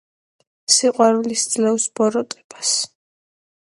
სიყვარული სძლევს ბოროტებას.